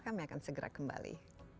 kami akan segera kembali